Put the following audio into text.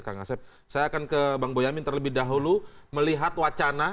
kang asep saya akan ke bang boyamin terlebih dahulu melihat wacana